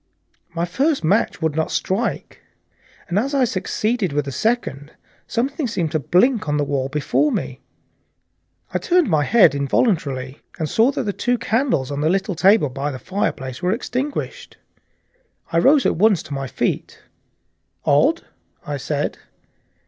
My first match would not strike, and as I succeeded with the second, something seemed to blink on the wall before me. I turned my head involuntarily and saw that the two candles on the little table by the fireplace were extinguished. I rose at once to my feet. "Odd," I said.